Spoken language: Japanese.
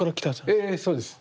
ええそうです。